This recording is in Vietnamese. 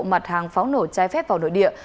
mặt hàng pháo nổ trái phép vào nội địa